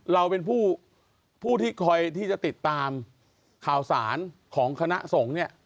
เราเป็นผู้ที่คอยที่จะติดตามข่าวสารของคณะสงฆ์เนี่ย